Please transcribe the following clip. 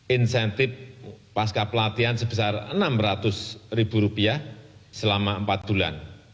insentif pasca pelatihan sebesar rp enam ratus selama empat bulan